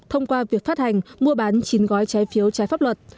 thông qua việc phát hành mua bán chín gói trái phiếu trái pháp luật